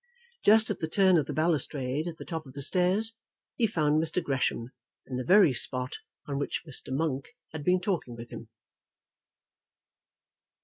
Just at the turn of the balustrade at the top of the stairs, he found Mr. Gresham in the very spot on which Mr. Monk had been talking with him.